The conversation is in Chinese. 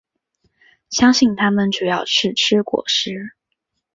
相信它们主要是吃果实。